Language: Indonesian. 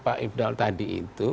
pak ifdal tadi itu